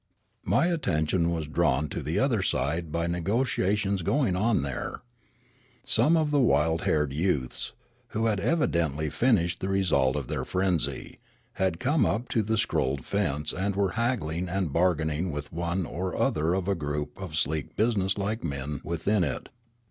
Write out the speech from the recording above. My attention was drawn to the other side by nego tiations going on there. Some of the wild haired 3'ouths, who had evidently finished the result of their frenzy, had come up to the scroll fence and were hag gling and bargaining with one or other of a group of sleek business like men within it.